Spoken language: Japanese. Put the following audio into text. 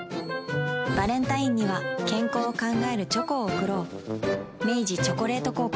バレンタインには健康を考えるチョコを贈ろう明治「チョコレート効果」